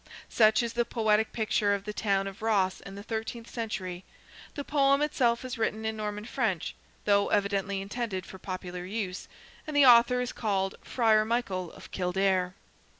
Such is the poetic picture of the town of Ross in the thirteenth century; the poem itself is written in Norman French, though evidently intended for popular use, and the author is called "Friar Michael of Kildare."